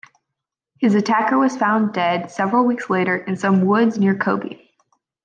His attacker was found dead several weeks later in some woods near Kobe.